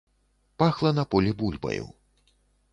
Пахла на полі бульбаю.